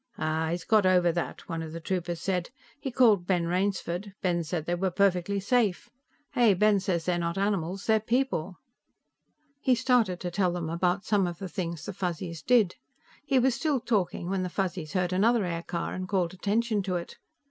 "Aah, he's got over that," one of the troopers said. "He called Ben Rainsford; Ben said they were perfectly safe. Hey, Ben says they're not animals; they're people." He started to tell them about some of the things the Fuzzies did. He was still talking when the Fuzzies heard another aircar and called attention to it.